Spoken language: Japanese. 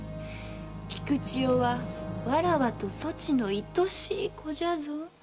菊千代はわらわとそちの愛しい子じゃぞ。